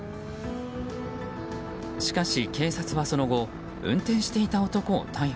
しかし警察はその後、運転していた男を逮捕。